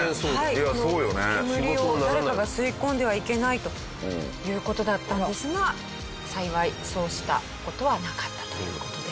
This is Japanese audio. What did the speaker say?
煙を誰かが吸い込んではいけないという事だったんですが幸いそうした事はなかったという事です。